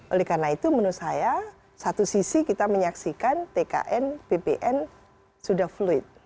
oleh karena itu menurut saya satu sisi kita menyaksikan tkn bpn sudah fluid